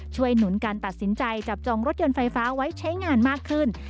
หนุนการตัดสินใจจับจองรถยนต์ไฟฟ้าไว้ใช้งานมากขึ้น